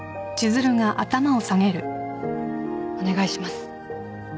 お願いします。